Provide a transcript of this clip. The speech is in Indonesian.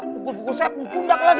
pukul pukul saya pundak lagi